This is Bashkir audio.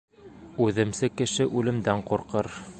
Үҙемсе кеше үлемдән ҡурҡыр.